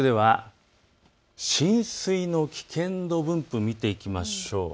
浸水の危険度分布を見ていきましょう。